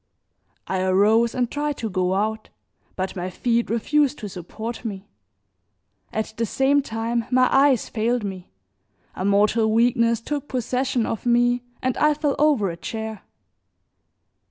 I arose and tried to go out, but my feet refused to support me. At the same time my eyes failed me, a mortal weakness took possession of me and I fell over a chair.